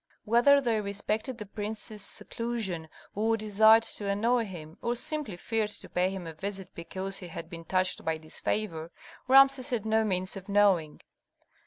Whether they respected the prince's seclusion, or desired to annoy him, or simply feared to pay him a visit because he had been touched by disfavor, Rameses had no means of knowing.